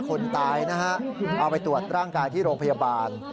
คนตายนะฮะเอาไปตรวจร่างกายที่โรงพยาบาล